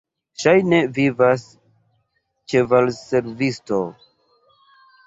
Ŝajne, via ĉevalservisto?